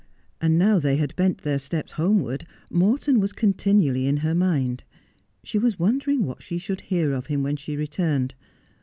And now they had bent then steps homeward Morton was continually in her mind. She was wondering what she should hear of him when she returned.